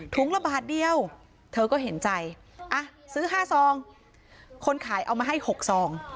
ละบาทเดียวเธอก็เห็นใจอ่ะซื้อ๕ซองคนขายเอามาให้๖ซอง